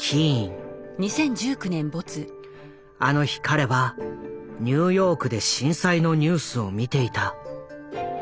あの日彼はニューヨークで震災のニュースを見ていた。